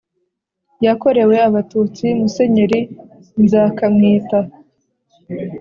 yakorewe Abatutsi Musenyeri Nzakamwita